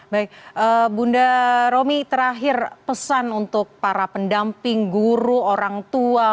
baik bunda romi terakhir pesan untuk para pendamping guru orang tua